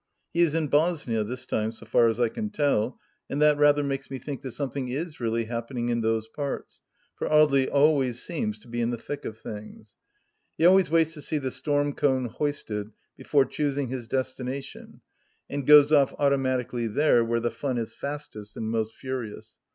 He is in Bosnia, this time, so far as I can tell, and that rather makes me think that something is really hap pening in those parts, for Audely always seems to be in the thick of things. He always waits to see the storm cone hoisted before choosing his destination, and goes off auto matically there where the fun is fastest and most furious.